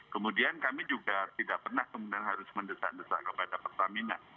kemudian kami juga tidak pernah kemudian harus mendesak desak kepada pertamina